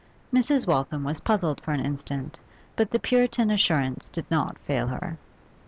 Mrs. Waltham was puzzled for an instant, but the Puritan assurance did not fail her.